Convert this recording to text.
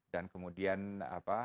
dan kemudian apa